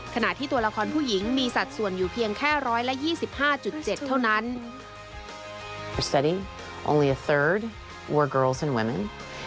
ขณะที่ตัวละครผู้หญิงมีสัดส่วนอยู่เพียงแค่๑๒๕๗เท่านั้น